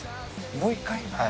もう一回？